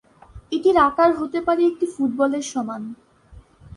এটির আকার হতে পারে একটি ফুটবলের সমান।